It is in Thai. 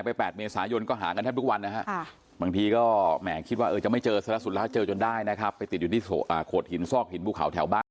เพราะรักษาทางโรงพยาบาลรักษาเรียกว่ารักษาเรื่องสุขภาพจิต